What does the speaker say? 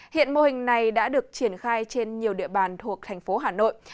hiện mô hình này đã được triển khai trên nhiều địa bàn thuộc thành phố hà nội